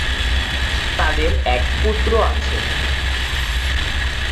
তাদের এক পুত্র আছে।